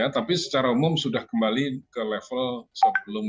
tapi secara umum sudah kembali ke level sebelum